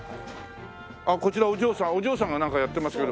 あっこちらお嬢さんお嬢さんがなんかやってますけど。